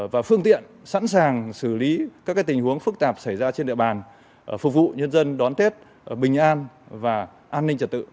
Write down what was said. và phương tiện sẵn sàng xử lý các tình huống phức tạp xảy ra trên địa bàn phục vụ nhân dân đón tết bình an và an ninh trật tự